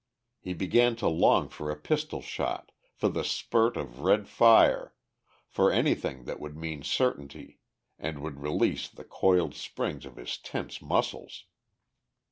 He began to long for a pistol shot, for the spurt of red fire, for anything that would mean certainty and would release the coiled springs of his tense muscles.